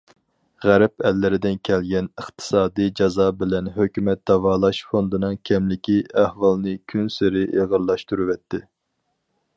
غەرب ئەللىرىدىن كەلگەن ئىقتىسادىي جازا بىلەن ھۆكۈمەت داۋالاش فوندىنىڭ كەملىكى ئەھۋالنى كۈنسېرى ئېغىرلاشتۇرۇۋەتتى.